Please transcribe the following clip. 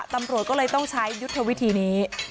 ตำรวจก็เลยต้องใช้ยุทธวิธีนี้